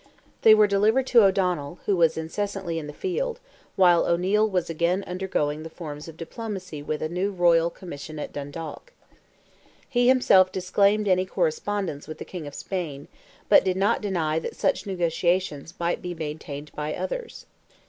They were delivered to O'Donnell, who was incessantly in the field, while O'Neil was again undergoing the forms of diplomacy with a new royal commission at Dundalk. He himself disclaimed any correspondence with the King of Spain, but did not deny that such negotiations might be maintained by others.